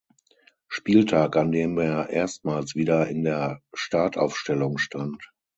Spieltag, an dem er erstmals wieder in der Startaufstellung stand.